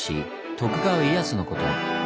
徳川家康のこと。